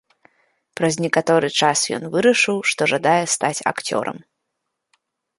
Праз некаторы час ён вырашыў, што жадае стаць акцёрам.